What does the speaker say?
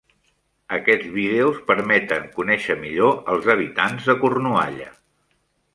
Aquests vídeos permeten conèixer millor els habitants de Cornualla.